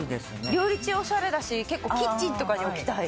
料理中オシャレだし結構キッチンとかに置きたい。